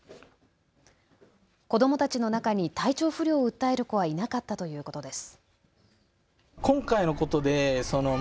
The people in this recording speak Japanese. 子どもたちの中に体調不良を訴える子はいなかったということです。